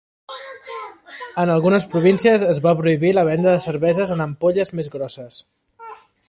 En algunes províncies es va prohibir la venda de cervesa en ampolles més grosses.